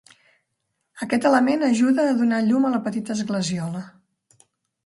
Aquest element ajuda a donar llum a la petita esglesiola.